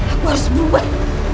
aku harus membuat